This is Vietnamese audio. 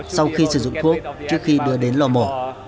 sau khi sử dụng thuốc trước khi đưa đến lò mổ